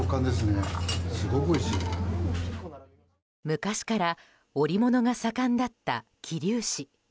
昔から織物が盛んだった桐生市。